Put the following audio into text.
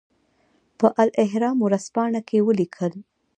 په الاهرام ورځپاڼه کې ولیکل.